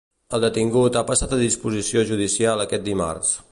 El detingut ha passat a disposició judicial aquest dimarts.